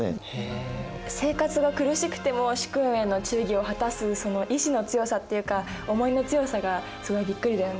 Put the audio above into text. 生活が苦しくても主君への忠義を果たすその意志の強さっていうか思いの強さがすごいびっくりだよね。